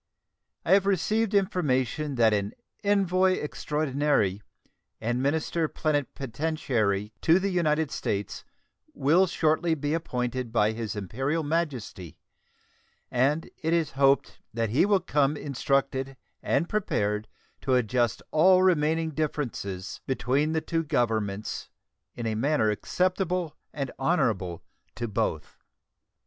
I have received information that an envoy extraordinary and minister plenipotentiary to the United States will shortly be appointed by His Imperial Majesty, and it is hoped that he will come instructed and prepared to adjust all remaining differences between the two Governments in a manner acceptable and honorable to both.